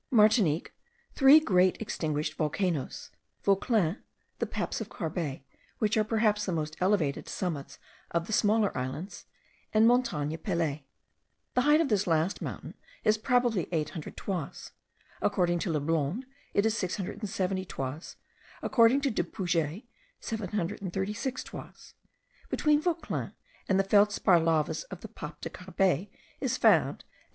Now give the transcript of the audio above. Martinique, three great extinguished volcanoes; Vauclin, the Paps of Carbet, which are perhaps the most elevated summits of the smaller islands, and Montagne Pelee. (The height of this last mountain is probably 800 toises; according to Leblond it is 670 toises; according to Dupuget, 736 toises. Between Vauclin and the feldspar lavas of the Paps of Carbet is found, as M.